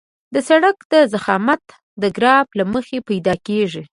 د سرک ضخامت د ګراف له مخې پیدا کیږي